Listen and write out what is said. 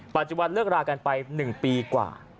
ปัจจุบันเลิกรากันไป๑ปีกว่า